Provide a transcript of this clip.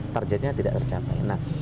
targetnya tidak tercapai nah